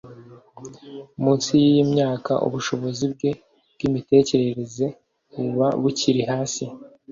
munsi y’iyi myaka ubushobozi bwe bw’imitekerereze buba bukiri hasi